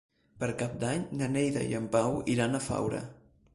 Per Cap d'Any na Neida i en Pau iran a Faura.